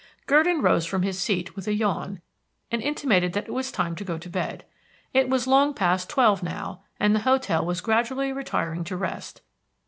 Gurdon rose from his seat with a yawn, and intimated that it was time to go to bed. It was long past twelve now and the hotel was gradually retiring to rest.